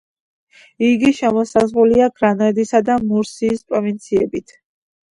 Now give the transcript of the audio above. იგი შემოსაზღვრულია გრანადისა და მურსიის პროვინციებით.